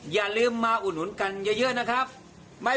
อย่าลืมมาอุดหนุนกันเยอะนะครับ